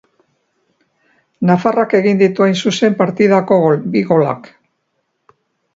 Nafarrak egin ditu, hain zuzen, partidako bi golak.